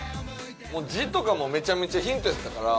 字とかもめちゃめちゃヒントやったから。